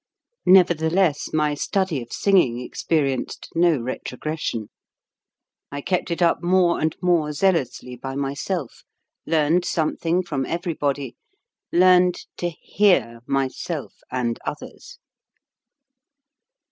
Nevertheless my study of singing experienced no retrogres sion. I kept it up more and more zealously by MY PURPOSE 7 myself, learned something from everybody, learned to hear myself and others.